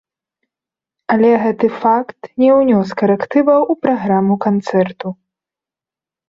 Але гэты факт не ўнёс карэктываў у праграму канцэрту.